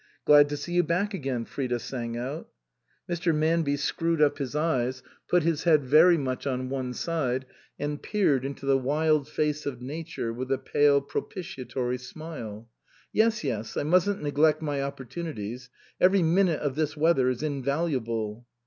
" Glad to see you back again !" Frida sang out. Mr. Manby screwed up his eyes, put his head very much on one side, and peered into the wild face of Nature with a pale propitiatory smile. " Yes, yes ; I mustn't neglect my opportuni ties. Every minute of this weather is invalu able."